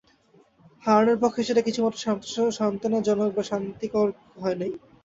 হারানের পক্ষে সেটা কিছুমাত্র সান্ত্বনাজনক বা শান্তিকর হয় নাই।